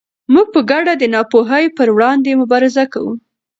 موږ په ګډه د ناپوهۍ پر وړاندې مبارزه کوو.